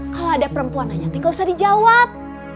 kalo ada perempuan nanya tinggal usah dijawab